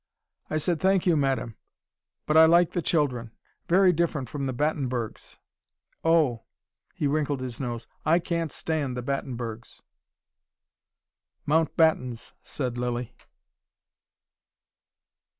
I said, Thank you, Madam. But I like the children. Very different from the Battenbergs. Oh! " he wrinkled his nose. "I can't stand the Battenbergs." "Mount Battens," said Lilly.